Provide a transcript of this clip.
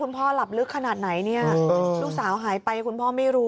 พ่อหลับลึกขนาดไหนเนี่ยลูกสาวหายไปคุณพ่อไม่รู้